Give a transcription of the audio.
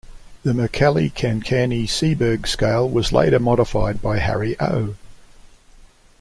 The Mercalli-Cancani-Sieberg scale was later modified by Harry O.